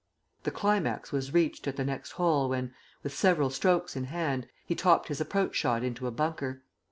The climax was reached, at the next hole, when, with several strokes in hand, he topped his approach shot into a bunker.